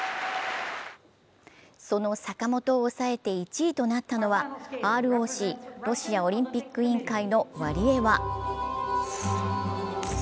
その坂本を抑えて１位となったのはＲＯＣ＝ロシアオリンピック委員会のワリエワ。